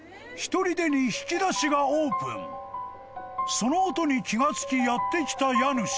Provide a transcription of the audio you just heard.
［その音に気が付きやって来た家主］